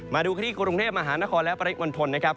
มาดูที่กุรุงเทพฯมหานครและปริกวันทนนะครับ